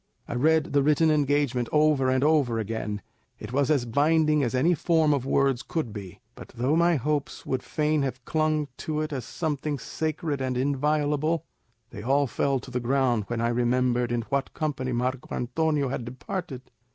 I read the written engagement over and over again; it was as binding as any form of words could be; but though my hopes would fain have clung to it as something sacred and inviolable, they all fell to the ground when I remembered in what company Marco Antonio had departed.